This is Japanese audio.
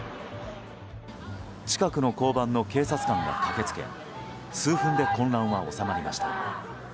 近くの交番の警察官が駆け付け数分で混乱は収まりました。